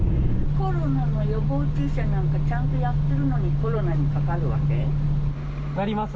コロナの予防注射なんかちゃんとやってるのに、コロナにかかるわなります。